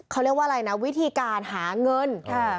เขาเรียกว่าอะไรนะวิธีการหาเงิน